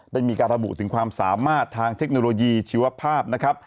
ได้มีการระบุถึงความสามารถทางเทคโนโลยีชีวภาพนะครับ